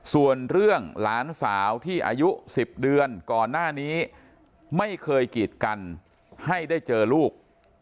ส่วนเรื่องหลานสาวที่อายุ๑๐เดือนก่อนหน้านี้ไม่เคยกีดกันให้ได้เจอลูก